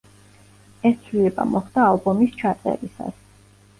ეს ცვლილება მოხდა ალბომის ჩაწერისას.